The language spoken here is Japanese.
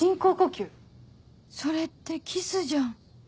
それってキスじゃん